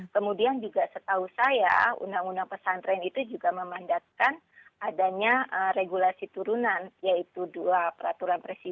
kemudian juga setahu saya undang undang pesantren itu juga memandatkan adanya regulasi turunan yaitu dua peraturan presiden dan sembilan peraturan menteri agama